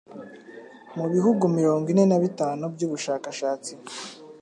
mu bihugu mirongo ine na bitanu by’ubushakashatsi.